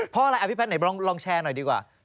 เพราะอะไรพี่แพทย์ไหนลองแชร์หน่อยดีกว่า